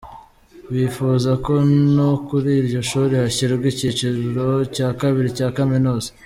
Bifuza ko no kuri iryo shuri hashyirwa icyiciro cya kabiri cya kaminuza.